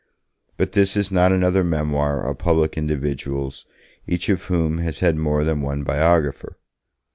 But this is not another memoir of public individuals, each of whom has had more than one biographer.